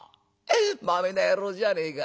まめな野郎じゃねえか。